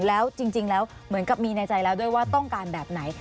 แล้วจริงแล้วเหมือนกับมีในใจแล้วด้วยว่าต้องการแบบไหน